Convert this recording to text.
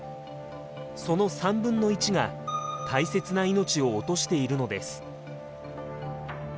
その３分の１が大切な命を落としているのです。